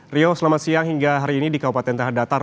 rio selamat siang hingga hari ini di kabupaten tanah datar